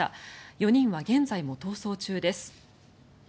４人は現在も逃走中です。